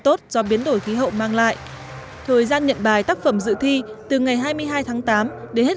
tốt do biến đổi khí hậu mang lại thời gian nhận bài tác phẩm dự thi từ ngày hai mươi hai tháng tám đến hết